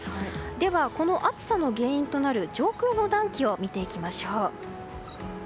ではこの暑さの原因となる上空の暖気を見ていきましょう。